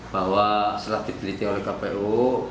bahwa setelah diteliti oleh kpu